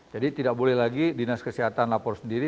tidak boleh lagi dinas kesehatan lapor sendiri